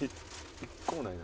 １個もないな。